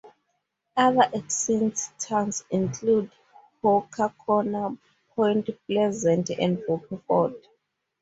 Other extinct towns include Hooker Corner, Point Pleasant and Rocky Ford.